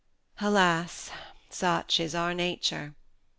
Alas! such is our nature!